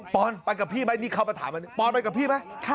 ปอนด์ไปกับพี่ไหมนี่เขามาถามปอนด์ไปกับพี่ไหม